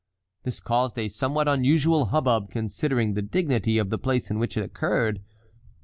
This caused a somewhat unusual hubbub considering the dignity of the place in which it occurred.